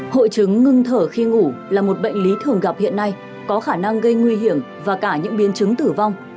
hội chứng ngưng thở khi ngủ là một bệnh lý thường gặp hiện nay có khả năng gây nguy hiểm và cả những biến chứng tử vong